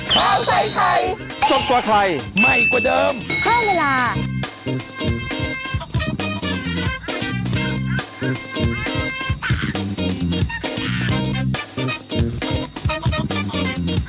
โปรดติดตามตอนต่อไป